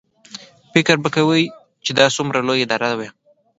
فکر به کوې چې دا څومره لویه اداره وي.